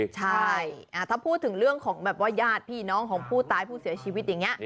ใช่ถ้าพูดถึงเรื่องของแบบว่าญาติพี่น้องของผู้ตายผู้เสียชีวิตอย่างนี้